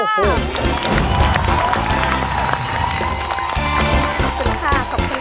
ขอบคุณค่ะขอบคุณค่ะ